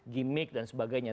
gimik dan sebagainya